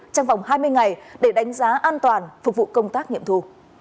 trong vòng hai mươi ngày để đánh giá an toàn phục vụ công tác nghiệm thu